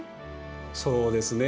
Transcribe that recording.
そうですね。